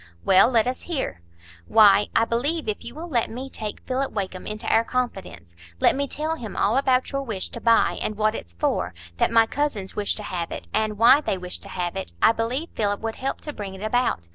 "Well, let us hear." "Why, I believe, if you will let me take Philip Wakem into our confidence,—let me tell him all about your wish to buy, and what it's for; that my cousins wish to have it, and why they wish to have it,—I believe Philip would help to bring it about.